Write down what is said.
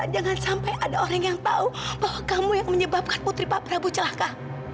jangan sampai ada orang yang tahu bahwa kamu yang menyebabkan putri pak prabu celaka